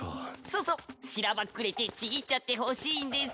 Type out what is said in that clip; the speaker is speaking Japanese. そそしらばっくれて契っちゃってほしいんです。